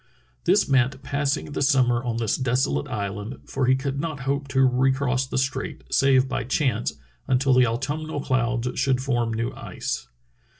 This meant passing the summer on this desolate island, for he could not hope to recross the strait, save by chance, until the autumnal colds should form new ice.